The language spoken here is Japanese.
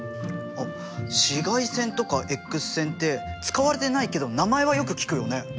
あっ紫外線とかＸ線って使われてないけど名前はよく聞くよね。